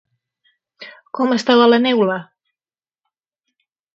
Com estava la neula?